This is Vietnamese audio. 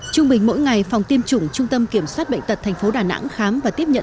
trung bình mỗi ngày phòng tiêm chủng trung tâm kiểm soát bệnh tật thành phố đà nẵng khám và tiếp nhận